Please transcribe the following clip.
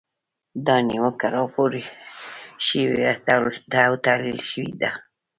دا نیوکه راپور شوې او تحلیل شوې ده.